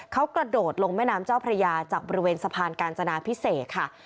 เขากระโดดลงแม่น้ำเจ้าพระยาจากบริเวณสะพานกาญจนาพิเศษค่ะ